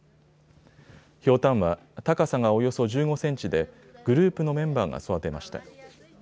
ひょうたんは高さがおよそ１５センチでグループのメンバーが育てました。